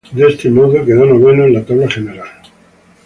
De este modo, quedó noveno en la tabla general.